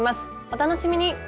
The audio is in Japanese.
お楽しみに。